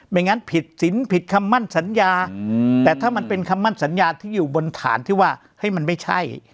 งั้นผิดสินผิดคำมั่นสัญญาแต่ถ้ามันเป็นคำมั่นสัญญาที่อยู่บนฐานที่ว่าเฮ้ยมันไม่ใช่